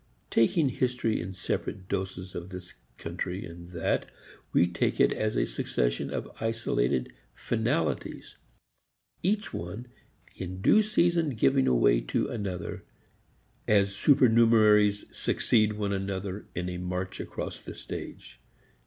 Taking history in separate doses of this country and that, we take it as a succession of isolated finalities, each one in due season giving way to another, as supernumeraries succeed one another in a march across the stage.